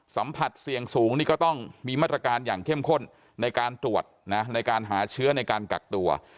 สัมผัสเสี่ยงสูงนี่ก็ต้องมีมาตรการอย่างเข้มข้นในการตรวจนะในการหาเชื้อในการกักตัว